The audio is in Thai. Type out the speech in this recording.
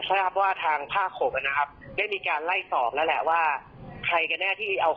เพราะว่าเอาคลิปออกมาทำให้ตระบุให้ตั้งแต่งเสียหาย